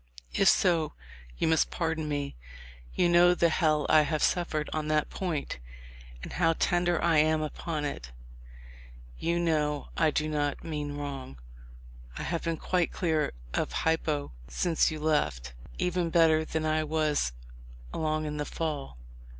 If so you must pardon me. You know the hell I have suf fered on that point, and how tender I am upon it. You know I do not mean wrong. I have been quite THE LIFE OF LINCOLN. 221 clear of hypo since you left, even better than I was along in the fall."